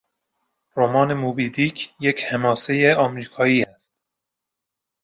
رمان موبی دیک یک حماسهی امریکایی است.